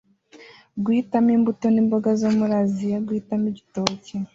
Guhitamo imbuto nimboga zo muri Aziya guhitamo ibitoki